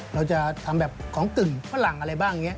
เราจะทำแบบของตึ่งฝรั่งอะไรบ้าง